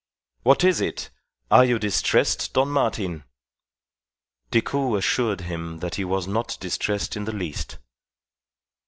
"What is it? Are you distressed, Don Martin?" Decoud assured him that he was not distressed in the least.